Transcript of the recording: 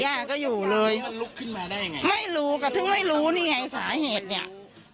ย่าก็อยู่เลยมันลุกขึ้นมาได้ยังไงไม่รู้ก็ถึงไม่รู้นี่ไงสาเหตุเนี่ย